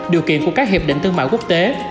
điều kiện của các hiệp định thương mại quốc tế